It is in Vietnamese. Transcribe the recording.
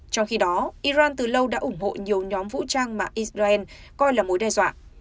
trong khi đó iran từ lâu đã ủng hộ nhiều nhóm vũ trang mà israel coi là mối đe dọa